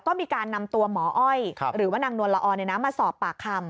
ก็มีการนำตัวหมออ้อยหรือว่านางนวลละออมาสอบปากคำ